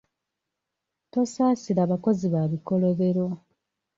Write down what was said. Tosasira bakozi ba bikolobero.